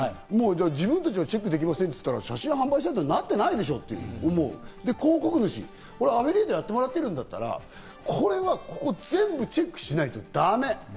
自分たちがチェックできませんって言ったら、写真販売サイトになってないでしょって、で、広告主、アフィリエイターにやってもらってるんだったら、ここは全部チェックしないとだめ。